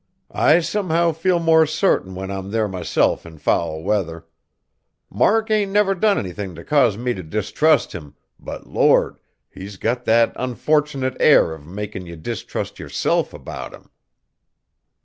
I somehow feel more certain when I'm there myself in foul weather. Mark ain't never done anythin' t' cause me t' distrust him, but Lord! he's got that unfortnit air of makin' ye distrust yerself about him."